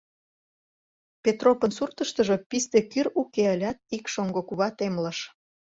Петропын суртыштыжо писте кӱр уке ылят, ик шоҥго кува темлыш: